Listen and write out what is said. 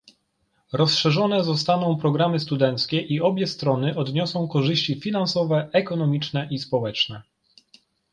Rozszerzone zostaną programy studenckie i obie strony odniosą korzyści finansowe, ekonomiczne i społeczne